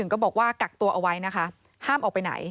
ก็บอกว่ากักตัวเอาไว้นะคะห้ามออกไปไหน